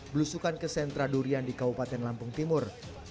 belusukan ke sentra durian di kabupaten lampung timur